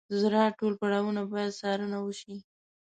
د زراعت ټول پړاوونه باید څارنه وشي.